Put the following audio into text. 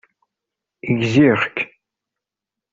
Gziɣ-k.